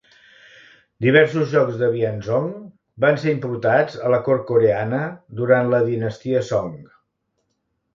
Diversos jocs de "bianzhong" van ser importats a la cort coreana durant la dinastia Song.